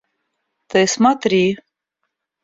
Ты смотри.